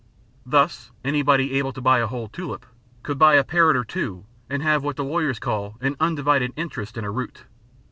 Thus, anybody unable to buy a whole tulip, could buy a perit or two, and have what the lawyers call an "undivided interest" in a root.